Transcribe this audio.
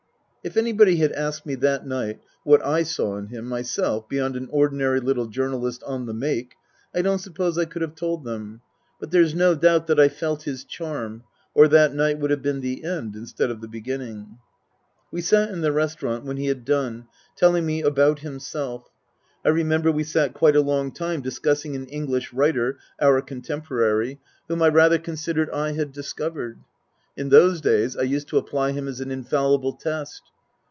If anybody had asked me that night what I saw in him myself beyond an ordinary little journalist " on the make," I don't suppose I could have told them. But there's no doubt that I felt his charm, or that night would have been the end instead of the beginning. We sat in the restaurant when he had done telling me about himself ; I remember we sat quite a long time dis cussing an English writer our contemporary whom I Book I : My Book 9 rather considered I had discovered. In those days I used to apply him as an infallible test.